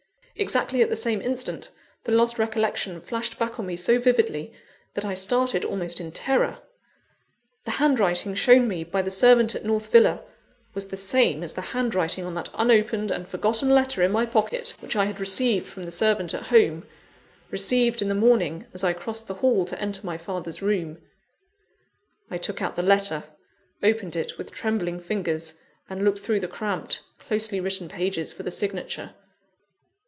Exactly at the same instant, the lost recollection flashed back on me so vividly that I started almost in terror. The handwriting shown me by the servant at North Villa, was the same as the handwriting on that unopened and forgotten letter in my pocket, which I had received from the servant at home received in the morning, as I crossed the hall to enter my father's room. I took out the letter, opened it with trembling fingers, and looked through the cramped, closely written pages for the signature.